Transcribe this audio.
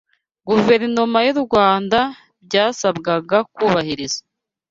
Guverinoma y’u Rwanda byasabwaga kubahiriza